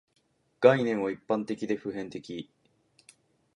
概念は一般的で普遍的